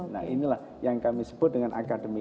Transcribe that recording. nah inilah yang kami sebut dengan akademi